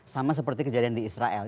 sama seperti kejadian di israel